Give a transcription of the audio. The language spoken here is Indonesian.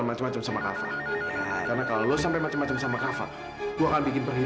emang kenapa selama ini ku baik sama keluarga lu